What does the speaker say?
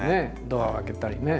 ドアを開けたりね。